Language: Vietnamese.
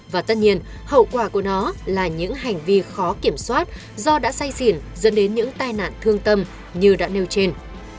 và tất nhiên hậu quả của nó là những hành vi khó kiểm soát do đã say xỉn dẫn đến những tai nạn thương tâm như đã nêu trên